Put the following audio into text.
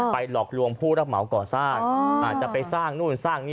หลอกลวงผู้รับเหมาก่อสร้างอาจจะไปสร้างนู่นสร้างนี่